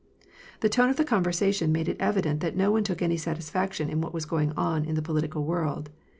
The tone of the conversation made it evident that no one took any satisfaction in what was going on in the political world.